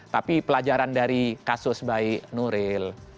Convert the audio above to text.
tapi pelajaran dari kasus baik nuril